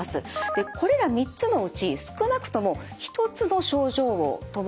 これら３つのうち少なくとも一つの症状を伴います。